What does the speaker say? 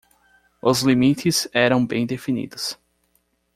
Os limites eram bem definidos.